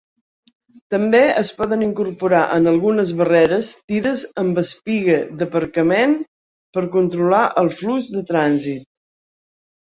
També es poden incorporar en algunes barreres tires amb espigue d'aparcament per controlar el flux de trànsit.